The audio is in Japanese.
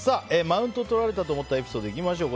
マウントをとられたと思ったエピソードいきましょう。